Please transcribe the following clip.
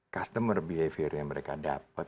customer behavior yang mereka dapat